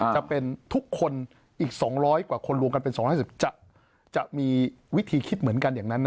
จะเป็นทุกคนอีก๒๐๐กว่าคนรวมกันเป็น๒๕๐จะมีวิธีคิดเหมือนกันอย่างนั้นนะ